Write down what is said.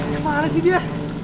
ke mana sih dia